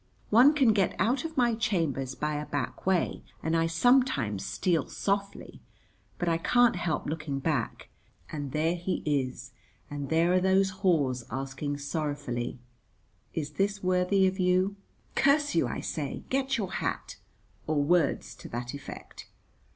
One can get out of my chambers by a back way, and I sometimes steal softly but I can't help looking back, and there he is, and there are those haws asking sorrowfully, "Is this worthy of you?" "Curse you," I say, "get your hat," or words to that effect.